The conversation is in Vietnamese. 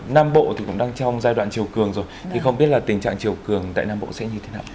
nam bộ thì cũng đang trong giai đoạn chiều cường rồi thì không biết là tình trạng chiều cường tại nam bộ sẽ như thế nào